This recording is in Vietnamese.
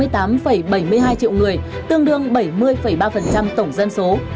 triệu người tương đương bảy mươi ba tổng dân số